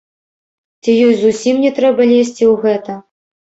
Ці ёй зусім не трэба лезці ў гэта?